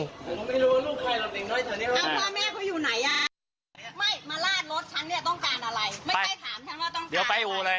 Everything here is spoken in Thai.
อังกษาแม่เขาอยู่ไหนอ่ะ